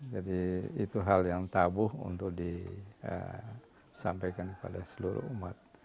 jadi itu hal yang tabuh untuk disampaikan kepada seluruh umat